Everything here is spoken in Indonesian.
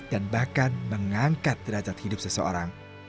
dan bahkan mengangkat derajat hidup seseorang